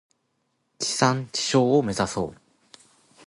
地産地消を目指そう。